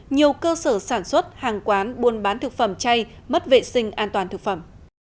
nhiều cơ sở sản xuất hàng quán buôn bán thực phẩm chay mất vệ sinh an toàn thực phẩm